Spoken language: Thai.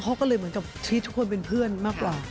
เขาก็เลยเหมือนกับชีวิตทุกคนเป็นเพื่อนมากกว่า